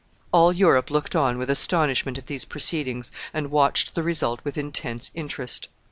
All Europe looked on with astonishment at these proceedings, and watched the result with intense interest.